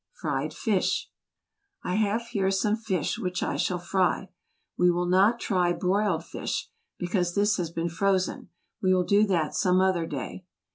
FRIED FISH. I have here some fish which I shall fry. We will not try broiled fish, because this has been frozen; we will do that some other day.